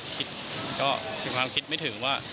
คิดความคิดไม่ถึงว่า